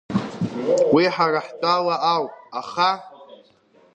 Уи ҳара ҳтәала ауп, аха…